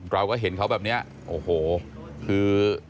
เราก็เห็นเขาแบบนี้โอ้โหคือ